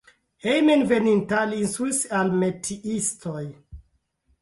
Hejmenveninta li instruis al metiistoj.